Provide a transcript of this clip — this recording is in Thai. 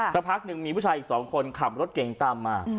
สักพักหนึ่งมีผู้ชายอีก๒คนขับรถเก่งตามมา